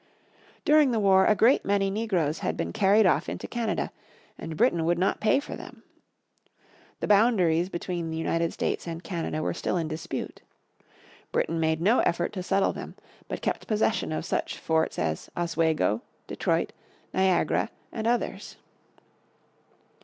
During the war a great many Negroes had been carried off into Canada, and Britain would not pay for them. The boundaries between the United States and Canada were still in dispute. Britain made no effort to settle them, but kept possession of such forts as Oswego, Detroit, Niagara, and others.